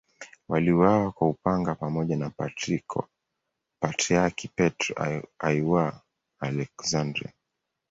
Waliuawa kwa upanga pamoja na Patriarki Petro I wa Aleksandria.